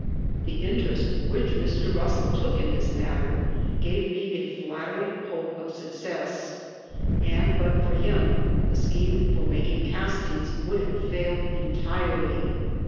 The interest which Mr. Russell took in this matter gave me a flattering hope of success, and but for him, the scheme for ma king castings would have failed entirely.